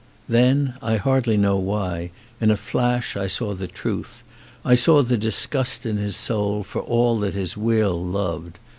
Then, I hardly know why, in a flash I saw the truth; I saw the disgust in his soul for all that his will loved.